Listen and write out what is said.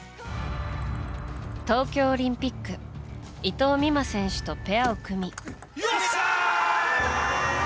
東京オリンピック伊藤美誠選手とペアを組み。